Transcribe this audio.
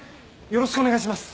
よろしくお願いします。